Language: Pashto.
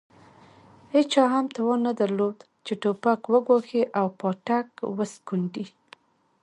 هېچا هم توان نه درلود چې توپک وګواښي او پاټک وسکونډي.